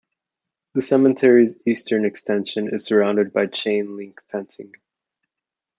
The cemetery's eastern extension is surrounded by chain-link fencing.